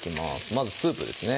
まずスープですね